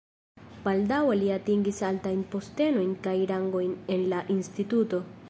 Baldaŭe li atingis altajn postenojn kaj rangojn en la instituto.